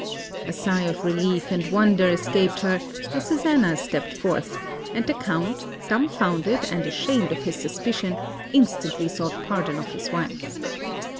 A sigh of relief and wonder escaped her as Susanna stepped forth; and the Count, dumbfounded and ashamed of his suspicion, instantly sought pardon of his wife.